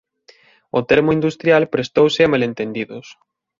O termo "industrial" prestouse a malentendidos.